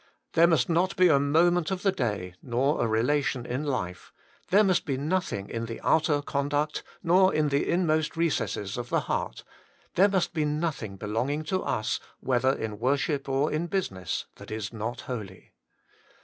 There must not be a moment of the day, nor a relation in life ; there must be s 274 HOLY IN CHRIST. nothing in the outer conduct, nor in the inmost recesses of the heart ; there must be nothing belong ing to us, whether in worship or in business, that is not holy.